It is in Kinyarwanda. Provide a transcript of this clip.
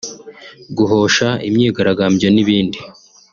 guhosha imyigaragambyo n’ibindi